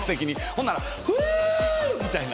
ほんなら「フゥ！」みたいな。